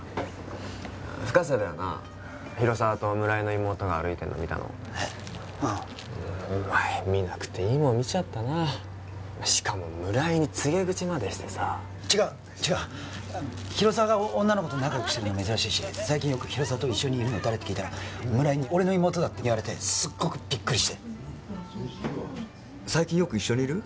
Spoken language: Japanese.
深瀬だよな広沢と村井の妹が歩いてるの見たのうんお前見なくていいもん見ちゃったなしかも村井に告げ口までしてさ違う違う広沢が女の子と仲良くしてるの珍しいし最近よく広沢と一緒にいるの誰って聞いたら村井に俺の妹だって言われてすっごくビックリして最近よく一緒にいる？